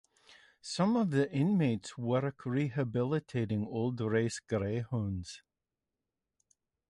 Some of the inmates work rehabilitating old race greyhounds.